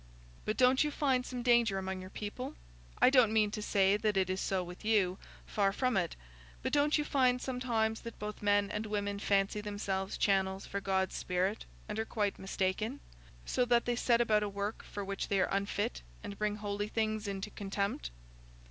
'" "But don't you find some danger among your people—I don't mean to say that it is so with you, far from it—but don't you find sometimes that both men and women fancy themselves channels for God's Spirit, and are quite mistaken, so that they set about a work for which they are unfit and bring holy things into contempt?"